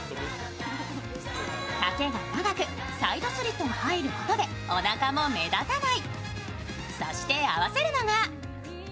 丈が長くサイドスリットが入ることで、おなかも目立たない。